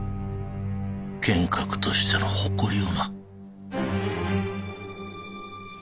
剣客としての誇りをな。